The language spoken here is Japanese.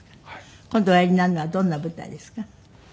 今度おやりになるのはどんな舞台ですか？